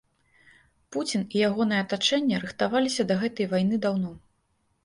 Пуцін і ягонае атачэнне рыхтаваліся да гэтай вайны даўно.